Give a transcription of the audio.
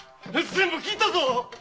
全部聞いたぞ。